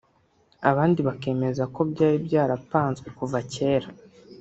abandi bakemeza ko byari byarapanzwe kuva kera